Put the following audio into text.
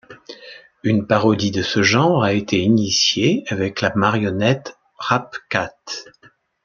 Une parodie de ce genre a été initiée avec la marionnette Rap Cat.